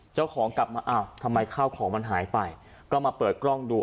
กลับมาอ้าวทำไมข้าวของมันหายไปก็มาเปิดกล้องดู